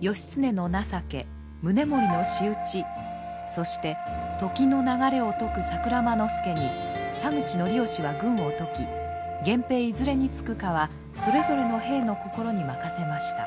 義経の情け宗盛の仕打ちそして時の流れを説く桜間ノ介に田口教能は軍を解き源平いずれにつくかはそれぞれの兵の心に任せました。